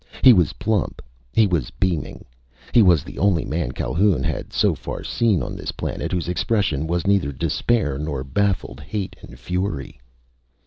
He was plump. He was beaming. He was the only man Calhoun had so far seen on this planet whose expression was neither despair nor baffled hate and fury.